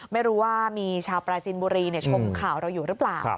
ไม่รู้ว่ามีชาวปราจินบุรีชมข่าวเราอยู่หรือเปล่า